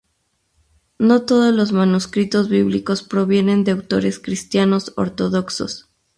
No todos los manuscritos bíblicos provienen de autores cristianos ortodoxos.